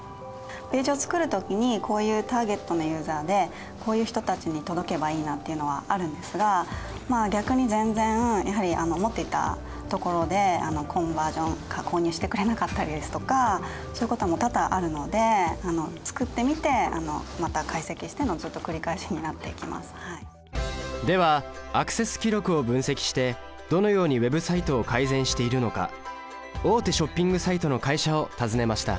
ページを作る時にこういうターゲットのユーザでこういう人たちに届けばいいなっていうのはあるんですがまあ逆に全然やはり思っていたところでコンバージョン購入してくれなかったりですとかそういうことも多々あるのでではアクセス記録を分析してどのようにＷｅｂサイトを改善しているのか大手ショッピングサイトの会社を訪ねました。